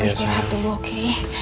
papa istirahat dulu oke